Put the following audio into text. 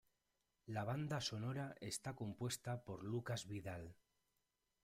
La banda sonora está compuesta por Lucas Vidal.